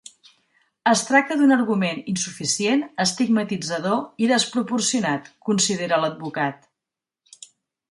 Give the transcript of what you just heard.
Es tracta d’un argument insuficient, estigmatitzador i desproporcionat, considera l’advocat.